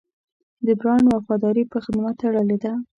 د برانډ وفاداري په خدمت تړلې ده.